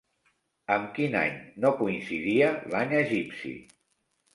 Amb quin any no coincidia l'any egipci?